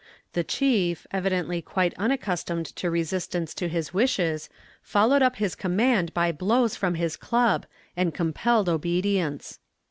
The chief, evidently quite unaccustomed to resistance to his wishes, followed up his command by blows from his club, and compelled obedience.